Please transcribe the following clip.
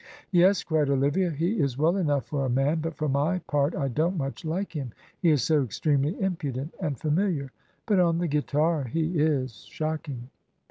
'Yes,' cried Olivia, 'he is well enough for a man, but for my part I don't much like him, he is so extremely impudent and familiar; but on the guitar he is shoclring.'